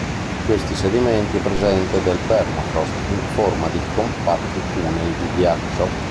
In questi sedimenti è presente del permafrost in forma di compatti cunei di ghiaccio.